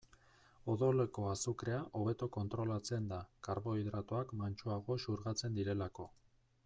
Odoleko azukrea hobeto kontrolatzen da, karbohidratoak mantsoago xurgatzen direlako.